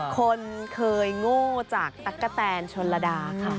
คนเคยโง่จากตั๊กกะแตนชนระดาค่ะ